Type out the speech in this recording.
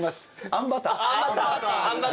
あんバター。